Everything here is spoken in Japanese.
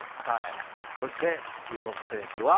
そして注目選手は。